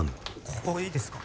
ここいいですか？